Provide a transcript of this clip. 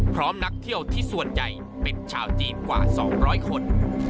นักเที่ยวที่ส่วนใหญ่เป็นชาวจีนกว่า๒๐๐คน